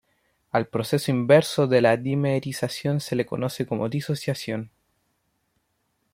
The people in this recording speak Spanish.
Al proceso inverso de la dimerización se lo conoce como disociación.